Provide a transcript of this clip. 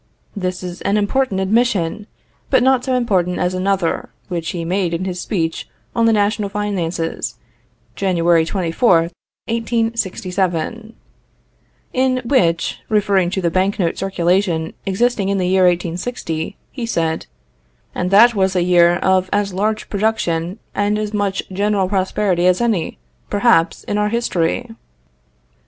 This is an important admission, but not so important as another, which he made in his speech on the national finances, January 24, 1867, in which, referring to the bank note circulation existing in the year 1860, he said: "And that was a year of as large production and as much general prosperity as any, perhaps, in our history."